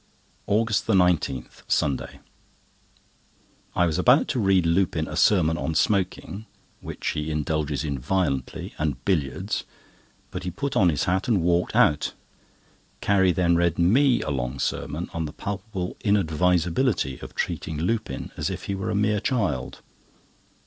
AUGUST 19, Sunday.—I was about to read Lupin a sermon on smoking (which he indulges in violently) and billiards, but he put on his hat and walked out. Carrie then read me a long sermon on the palpable inadvisability of treating Lupin as if he were a mere child.